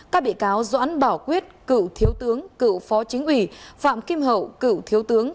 các bị cáo doãn bỏ quyết cựu thiếu tướng cựu phó chính ủy phạm kim hậu cựu thiếu tướng